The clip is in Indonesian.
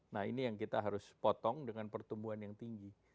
nah ini yang kita harus potong dengan pertumbuhan yang tinggi